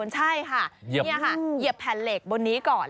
ใช่ค่ะนี่ค่ะเหยียบแผ่นเหล็กบนนี้ก่อน